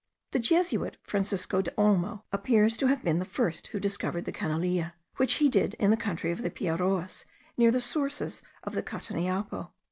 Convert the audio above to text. The Jesuit Francisco de Olmo appears to have been the first who discovered the canelilla, which he did in the country of the Piaroas, near the sources of the Cataniapo.